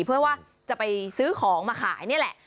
เพื่อว่าจะไปซื้อของมาขายนี่แหละ